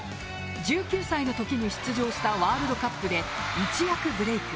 １９歳の時に出場したワールドカップで一躍ブレイク！